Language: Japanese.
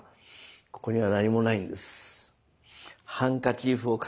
ここには何もないんです。